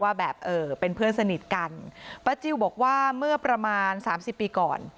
ว่าแบบเออเป็นเพื่อนสนิทกันป้าจิ้วบอกว่าเมื่อประมาณสามสิบปีก่อน